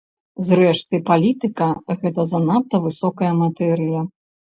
Зрэшты, палітыка гэта занадта высокая матэрыя.